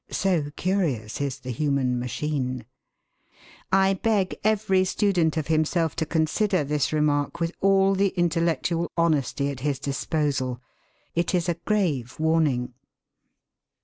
So curious is the human machine. I beg every student of himself to consider this remark with all the intellectual honesty at his disposal. It is a grave warning.